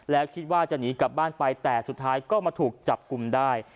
แล้วคิดว่าจะหนีกลับบ้านไปแต่สุดท้ายก็มาถูกจับกลุ่มได้